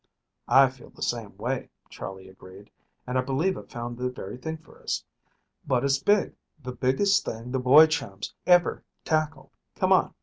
"I feel the same way," Charley agreed, "and I believe I've found the very thing for us, but it's big the biggest thing the Boy Chums ever tackled. Come on.